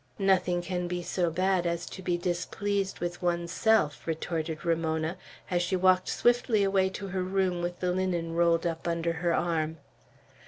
"Nothing can be so bad as to be displeased with one's self," retorted Ramona, as she walked swiftly away to her room with the linen rolled up under her arm.